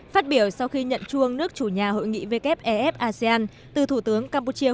phát biểu sau khi nhận chuông